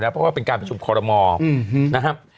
เพราะว่าเป็นการประชุมคอรมอนะครับ